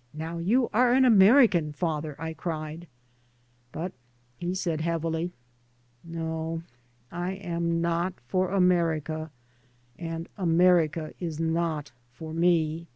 " Now you are an Amer ican, father," I cried. But he said heavily, " No, I am not for America, and America is not for me."